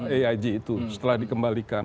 eig itu setelah dikembalikan